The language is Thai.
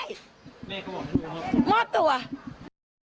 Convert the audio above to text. แม่ก็บอกมันจะมอบตัวมอบตัว